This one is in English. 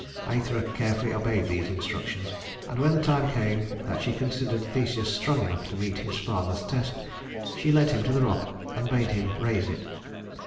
Æthra carefully obeyed these instructions, and when the time came that she considered Theseus strong enough to meet his father's test, she led him to the rock and bade him raise it.